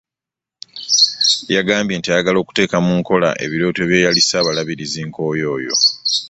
Yagambye nti ayagala okuteeka mu nkola ebirooto by'eyali Ssaabalabirizi Nkooyooyo